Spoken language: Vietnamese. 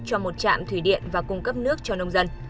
cho một trạm thủy điện và cung cấp nước cho nông dân